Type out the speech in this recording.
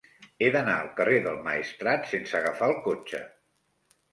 He d'anar al carrer del Maestrat sense agafar el cotxe.